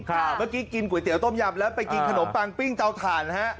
เมื่อกี้กินก๋วยเตี๋ต้มยำแล้วไปกินขนมปังปิ้งเตาถ่านฮะ